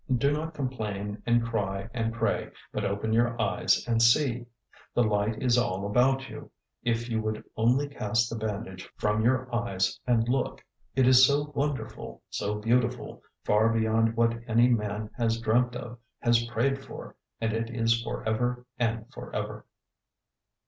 Do not complain and cry and pray, but open your eyes and see. The light is all about you, if you would only cast the bandage from your eyes and look. It is so wonderful, so beautiful, far beyond what any man has dreamt of, has prayed for, and it is for ever and for ever.